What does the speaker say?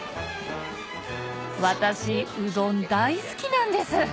私うどん大好きなんです！